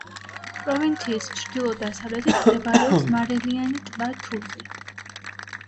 პროვინციის ჩრდილო-დასავლეთით მდებარეობს მარილიანი ტბა თუზი.